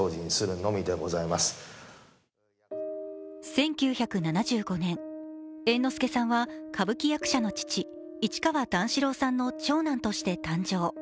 １９７５年、猿之助さんは歌舞伎役者の父、市川段四郎さんの長男として誕生。